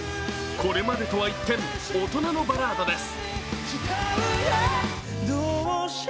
これまでとは一転、大人のバラードです。